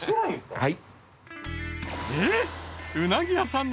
はい。